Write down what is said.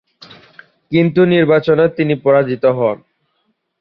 কিন্তু নির্বাচনে তিনি পরাজিত হন।